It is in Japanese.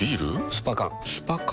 スパ缶スパ缶？